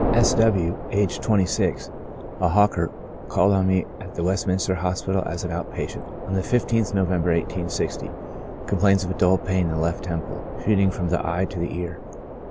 S. W —, aet. 26, a hawker, called on me at the West minster Hospital, as an out patient, on the 15th November, i860. Complains of a dull pain in the left temple, shoot ing from the eye to the ear.